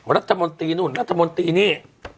รัฐมนตรีนู่นรัฐมนตรีนี่